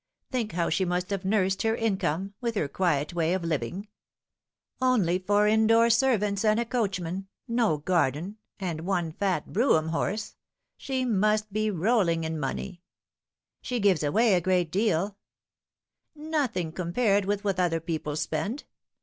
Think how she must have nursed her income, with her quiet way of living ! Only four indoor servants and a coachman ; no garden, and one fat brougham horse. She must be rolling in money." " She gives away a great deal" " Nothing compared with what other people spend.